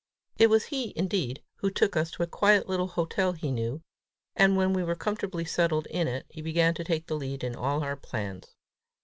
It was he, indeed, who took us to a quiet little hotel he knew; and when we were comfortably settled in it, he began to take the lead in all our plans.